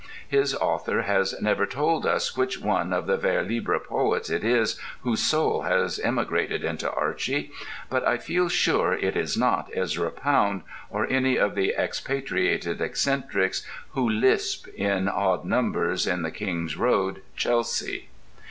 His author has never told us which one of the vers libre poets it is whose soul has emigrated into Archy, but I feel sure it is not Ezra Pound or any of the expatriated eccentrics who lisp in odd numbers in the King's Road, Chelsea.